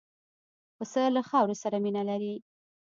پسه له خاورو سره مینه لري.